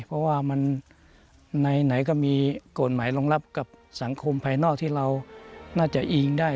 เพราะว่ามันในไหนก็มีกฎหมายรองรับกับสังคมภายนอกที่เราน่าจะอิงได้